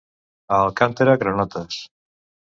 A Alcàntera, granotes.